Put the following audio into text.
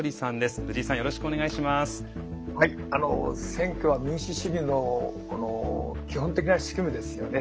選挙は民主主義の基本的な仕組みですよね。